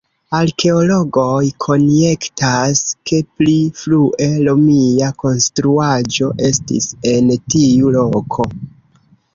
Arkeologoj konjektas, ke pli frue romia konstruaĵo estis en tiu loko.